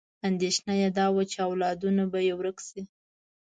اندېښنه یې دا وه چې اولادونه به یې ورک شي.